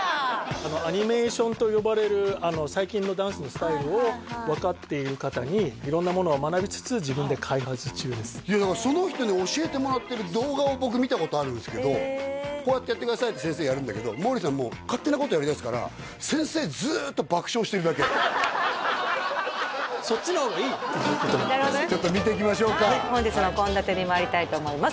あのアニメーションと呼ばれる最近のダンスのスタイルを分かっている方に色んなものを学びつつ自分で開発中ですだからその人に教えてもらってる動画を僕見たことあるんですけどこうやってやってくださいって先生がやるんだけどそっちの方がいいとちょっと見ていきましょうかはい本日の献立にまいりたいと思います